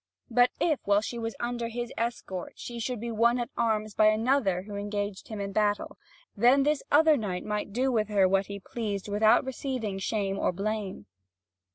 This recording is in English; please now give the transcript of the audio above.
But if, while she was under his escort, she should be won at arms by another who engaged him in battle, then this other knight might do with her what he pleased without receiving shame or blame.